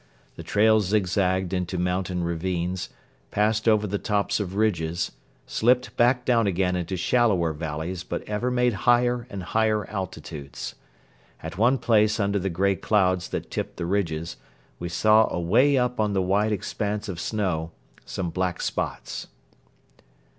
The trail zigzagged into mountain ravines, passed over the tops of ridges, slipped back down again into shallower valleys but ever made higher and higher altitudes. At one place under the grey clouds that tipped the ridges we saw away up on the wide expanse of snow some black spots.